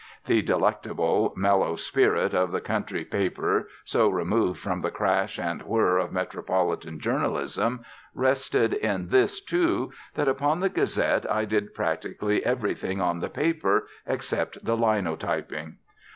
The delectable, mellow spirit of the country paper, so removed from the crash and whirr of metropolitan journalism, rested in this, too, that upon the Gazette I did practically everything on the paper except the linotyping.